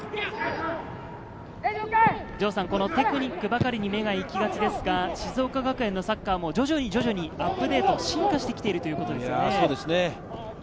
テクニックばかりに目が行きがちですが、静岡学園のサッカーも徐々にアップデート、進化しているということですね。